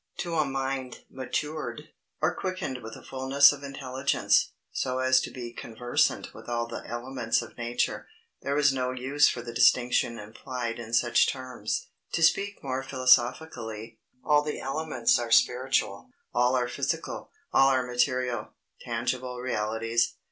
To a mind matured, or quickened with a fulness of intelligence, so as to be conversant with all the elements of nature, there is no use for the distinction implied in such terms. To speak more philosophically, all the elements are spiritual, all are physical, all are material, tangible realities.